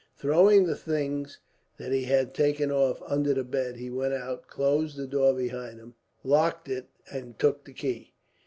Throwing the things that he had taken off under the bed, he went out, closed the door behind him, locked it, and took the key.